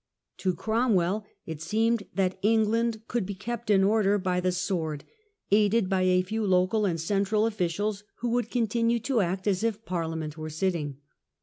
To Crom well it seemed that England could be kept in order by the sword, aided by a few local and central officials who would continue* to act as if Parliament were sitting.